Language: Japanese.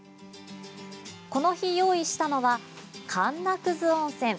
この日、用意したのはかんなくず温泉。